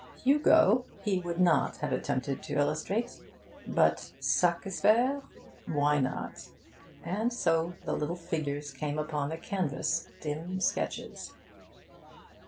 Hugo he would not have attempted to illustrate. But Sac espe're why not? And so the little figures came upon the canvas, dim sketches.